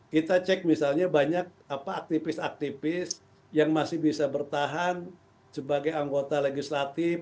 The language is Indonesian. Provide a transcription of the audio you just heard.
kita cek misalnya banyak aktivis aktivis yang masih bisa bertahan sebagai anggota legislatif